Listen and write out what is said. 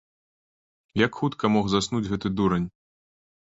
Як хутка мог заснуць гэты дурань?